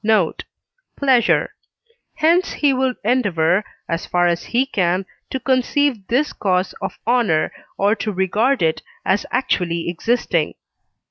note) pleasure; hence he will endeavour, as far as he can, to conceive this cause of honour, or to regard it as actually existing.